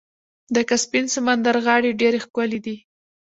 د کسپین سمندر غاړې ډیرې ښکلې دي.